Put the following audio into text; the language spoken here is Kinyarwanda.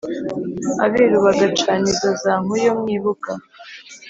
abiru bagacaniza zankuyu mw ibúga